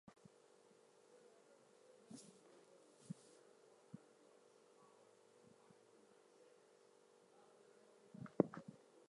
The truth about the failure of Bomber Command shook everyone.